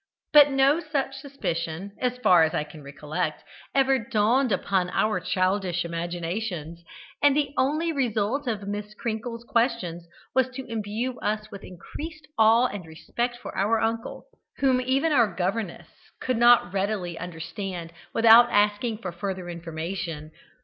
But no such suspicion, as far as I can recollect, ever dawned upon our childish imaginations, and the only result of Miss Crinkles' questions was to imbue us with increased awe and respect for our uncle, whom even our governess could not readily understand without asking for further information.